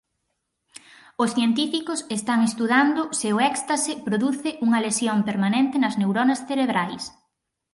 Os científicos están estudando se o éxtase produce unha lesión permanente nas neuronas cerebrais.